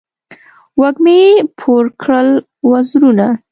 وږمې پور کړل وزرونه